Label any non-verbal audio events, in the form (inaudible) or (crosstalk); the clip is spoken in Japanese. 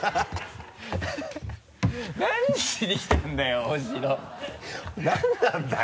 何しに来てるんだよ大城 (laughs) 何なんだよ。